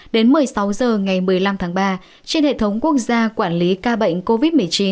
đến một mươi sáu h ngày một mươi năm tháng ba trên hệ thống quốc gia quản lý ca bệnh covid một mươi chín